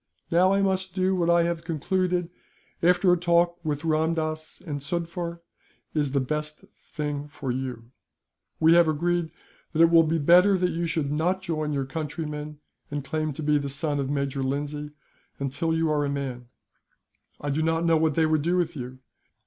"Now I must do what I have concluded, after a talk with Ramdass and Sufder, is the best thing for you. We have agreed that it will be better that you should not join your countrymen, and claim to be the son of Major Lindsay, until you are a man. I do not know what they would do with you.